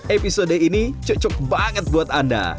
episode ini cocok banget buat anda